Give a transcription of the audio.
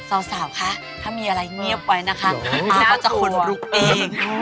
สาวคะถ้ามีอะไรเงียบไว้นะคะป้าก็จะขนลุกเอง